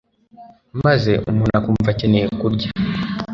maze umuntu akumva akeneye kurya.